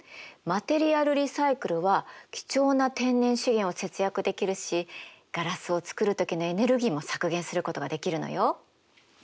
マテリアルリサイクルは貴重な天然資源を節約できるしガラスを作る時のエネルギーも削減することができるのよ。